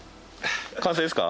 完成ですか？